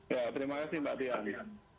ya terima kasih mbak tiani